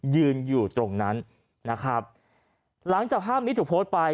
ยืนอยู่ตรงนั้นนะครับหลังจากภาพนี้ถูกโพสต์ไป